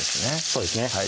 そうですね